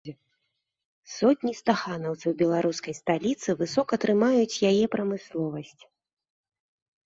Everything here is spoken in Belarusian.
Сотні стаханаўцаў беларускай сталіцы высока трымаюць яе прамысловасць.